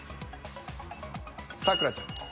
咲楽ちゃん。